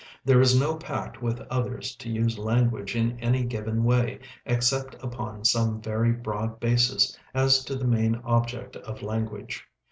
There is no pact with others to use language in any given way, except upon some very broad basis as to the main object of language.